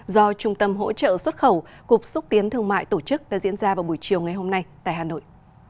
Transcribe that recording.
do trung tâm hỗ trợ xuất khẩu cục xúc tiến thương mại tổ chức đã diễn ra vào buổi chiều ngày hôm nay tại hà nội